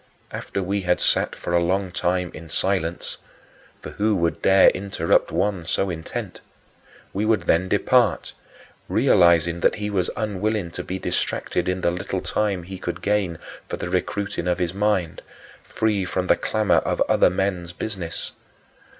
After we had sat for a long time in silence for who would dare interrupt one so intent? we would then depart, realizing that he was unwilling to be distracted in the little time he could gain for the recruiting of his mind, free from the clamor of other men's business.